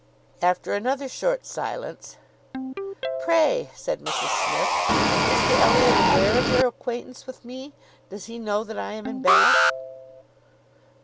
After another short silence— "Pray," said Mrs Smith, "is Mr Elliot aware of your acquaintance with me? Does he know that I am in Bath?"